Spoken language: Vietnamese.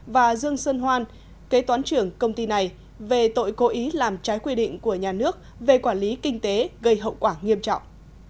và dương sơn hoan kế toán trưởng công ty này về tội cố ý làm trái quy định của nhà nước về quản lý kinh tế gây hậu quả nghiêm trọng